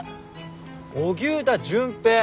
荻生田隼平。